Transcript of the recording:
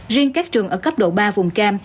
riêng các trường ở cấp độ ba vùng cam